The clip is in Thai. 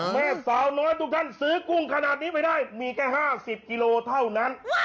แม่สาวน้อยทุกท่านซื้อกุ้งขนาดนี้ไปได้มีแค่๕๐กิโลเท่านั้น